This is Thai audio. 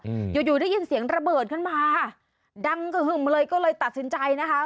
อืมอยู่อยู่ได้ยินเสียงระเบิดขึ้นมาค่ะดังกระหึ่มเลยก็เลยตัดสินใจนะคะ